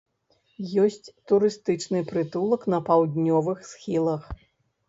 Ёсць турыстычны прытулак на паўднёвых схілах.